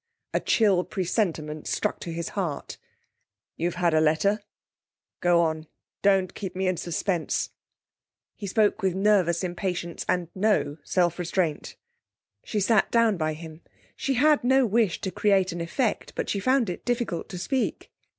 A chill presentiment struck to his heart. 'You've had a letter? Go on; don't keep me in suspense.' He spoke with nervous impatience, and no self restraint. She sat down by him. She had no wish to create an effect, but she found it difficult to speak.